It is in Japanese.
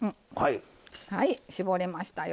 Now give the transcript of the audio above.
はい絞れましたよ。